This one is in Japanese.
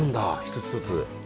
一つ一つ。